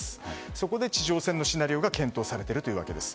そこで地上戦のシナリオが検討されているわけです。